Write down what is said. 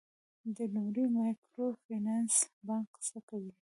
د لومړي مایکرو فینانس بانک څه کوي؟